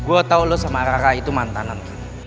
gue tau lo sama rara itu mantanan